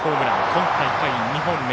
今大会２本目。